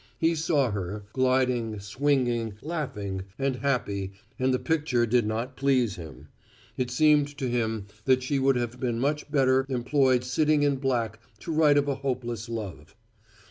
He saw her, gliding, swinging, laughing, and happy and the picture did not please him: it seemed to him that she would have been much better employed sitting in black to write of a hopeless love.